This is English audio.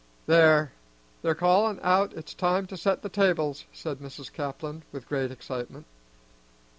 "There, they're callin' out it's time to set the tables," said Mrs. Caplin, with great excitement.